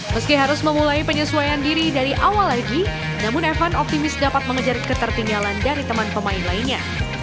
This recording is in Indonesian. meski harus memulai penyesuaian diri dari awal lagi namun evan optimis dapat mengejar ketertinggalan dari teman pemain lainnya